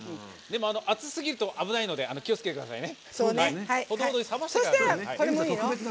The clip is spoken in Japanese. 熱すぎると危ないので気をつけてくださいね。